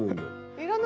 いらない？